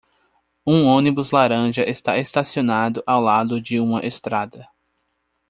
Um ônibus laranja está estacionado ao lado de uma estrada.